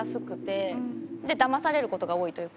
で騙される事が多いというか。